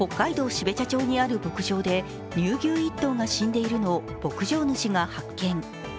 標茶町にある牧場で乳牛１頭が死んでいるのを牧場主が発見。